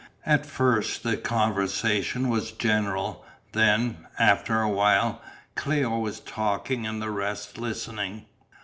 At first the conversation was general, then, after a while, Cléo was talking and the rest listening.